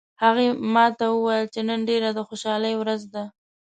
هغې ما ته وویل چې نن ډیره د خوشحالي ورځ ده